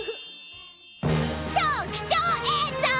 ［超貴重映像！］